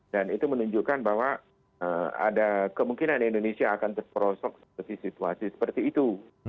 dan itu menunjukkan bahwa ada kemungkinan indonesia akan terperosok seperti situasi seperti itu